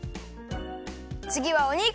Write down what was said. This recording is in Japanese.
つぎはお肉！